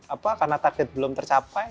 apa karena target belum tercapai